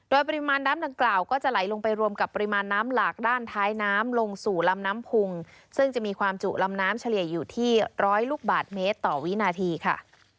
โดยปริมาณน้ำดังกล่าวก็จะไหลลงไปรวมกับปริมาณน้ำหลากด้านท้ายน้ำลงสู่ลำน้ำพุงซึ่งจะมีความจุลำน้ำเฉลี่ยอยู่ที่ร้อยลูกบาทเมตรต่อวินาทีค่ะ